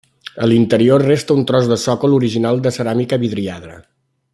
A l'interior resta un tros de sòcol original de ceràmica vidriada.